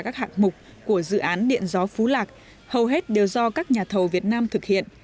các hạng mục của dự án điện gió phú lạc hầu hết đều do các nhà thầu việt nam thực hiện